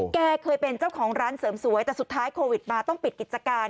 แกเคยเป็นเจ้าของร้านเสริมสวยแต่สุดท้ายโควิดมาต้องปิดกิจการ